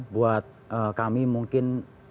buat kami mungkin